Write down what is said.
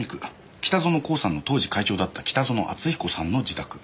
北薗興産の当時会長だった北薗篤彦さんの自宅。